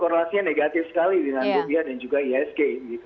korelasinya negatif sekali dengan rupiah dan juga isg